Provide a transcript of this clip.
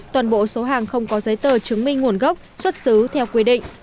toàn bộ số hàng không có giấy tờ chứng minh nguồn gốc xuất xứ theo quy định